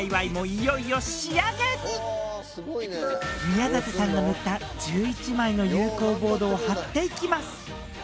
宮舘さんの塗った１１枚の有孔ボードを張っていきます。